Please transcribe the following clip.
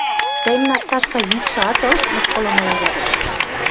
– Тӹнь, Насташка, йӱкшӹ ат ыл? – мыскылымыла ядым.